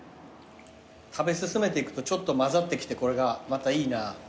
食べ進めていくとちょっと混ざってきてこれがまたいいな。